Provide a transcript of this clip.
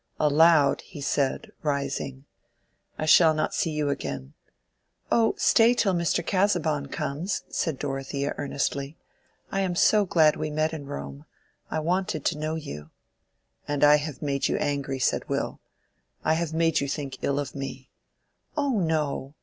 Aloud he said, rising— "I shall not see you again." "Oh, stay till Mr. Casaubon comes," said Dorothea, earnestly. "I am so glad we met in Rome. I wanted to know you." "And I have made you angry," said Will. "I have made you think ill of me." "Oh no.